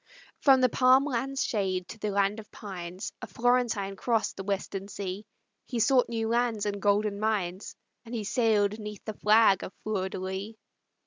From the palm land's shade to the land of pines, A Florentine crossed the Western Sea; He sought new lands and golden mines, And he sailed 'neath the flag of the Fleur de lis.